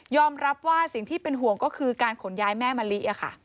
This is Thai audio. รับว่าสิ่งที่เป็นห่วงก็คือการขนย้ายแม่มะลิ